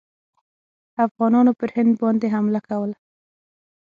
افغانانو پر هند باندي حمله کوله.